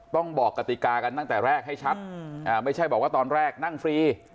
ต้องบอกกติกากันตั้งแต่แรกให้ชัดไม่ใช่บอกว่าตอนแรกนั่งฟรี